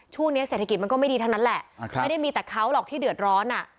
ช่วงเนี้ยเศรษฐกิจมันก็ไม่ดีทั้งนั้นแหละครับไม่ได้มีแต่เขาหรอกที่เดือดร้อนอ่ะ